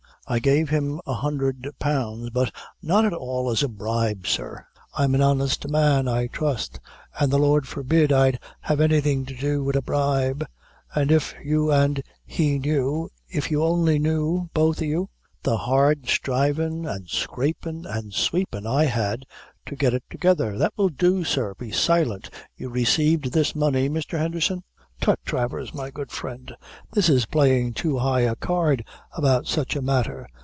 "I gave him a hundred pounds, but not at all as a bribe, sir; I'm an honest man, I trust an' the Lord forbid I'd have anything to do wid a bribe; an' if you an' he knew if you only knew, both o' you the hard strivin,' an' scrapin,' an' sweepin' I had to get it together " "That will do, sir; be silent. You received this money, Mr. Henderson?" "Tut, Travers, my good friend; this is playing too high a card about such a matter.